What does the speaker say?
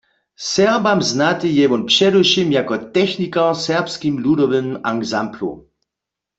Serbam znaty je wón předewšěm jako technikar w Serbskim ludowym ansamblu.